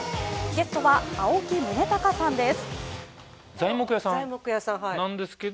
ゲストは青木崇高さんです。